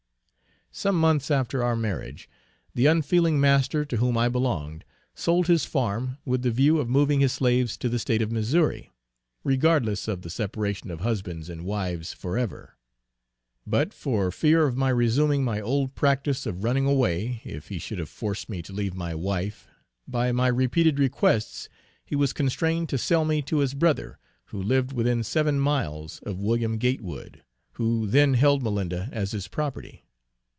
Some months after our marriage, the unfeeling master to whom I belonged, sold his farm with the view of moving his slaves to the State of Missouri, regardless of the separation of husbands and wives forever; but for fear of my resuming my old practice of running away, if he should have forced me to leave my wife, by my repeated requests, he was constrained to sell me to his brother, who lived within seven miles of Wm. Gatewood, who then held Malinda as his property.